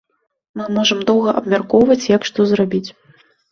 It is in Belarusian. Мы можам доўга абмяркоўваць, як што зрабіць.